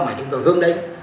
mà chúng tôi hướng đến